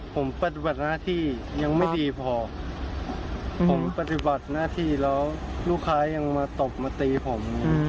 ผมปฏิบัติหน้าที่แล้วลูกค้ายังมาตบมาตีผม